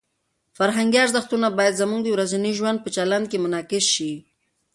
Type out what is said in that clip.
فرهنګي ارزښتونه باید زموږ د ورځني ژوند په چلند کې منعکس شي.